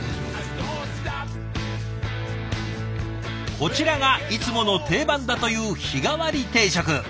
こちらがいつもの定番だという日替わり定食。